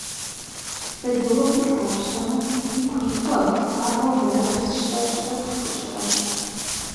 Бадзэуэгъуэр къапщтэмэ, ику иту абы хуабэу градус щэщӏрэ тху щыӏэщ.